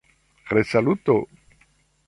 resaluto